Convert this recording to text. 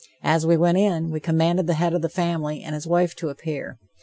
As we went in, we commanded the head of the family and his wife to appear.